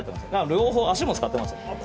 両方、足も使ってますね。